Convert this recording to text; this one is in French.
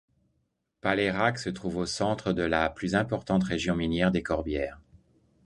Palairac se trouve au centre de la plus importante région minière des Corbières.